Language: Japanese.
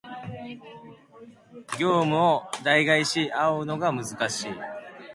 業務を代替し合うのが難しい